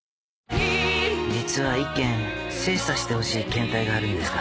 「実は一件精査してほしい検体があるんですが」